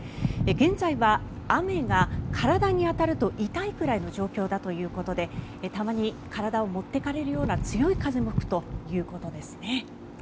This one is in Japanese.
現在は雨が体に当たると痛いぐらいの状況だということでたまに体を持っていかれるような強い風も吹くということです。